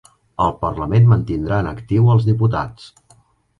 El parlament mantindrà en actiu els diputats